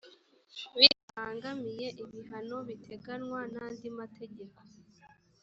bitabangamiye ibihano biteganywa n’andi mategeko